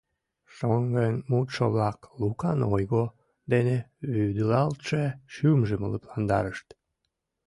Шоҥгын мутшо-влак Лукан ойго дене вӱдылалтше шӱмжым лыпландарышт.